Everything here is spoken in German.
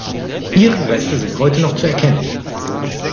Ihre Reste sind heute noch zu erkennen.